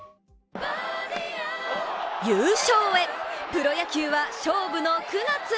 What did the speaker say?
優勝へ、プロ野球は勝負の９月。